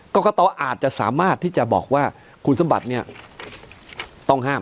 กรกตอาจจะสามารถที่จะบอกว่าคุณสมบัติเนี่ยต้องห้าม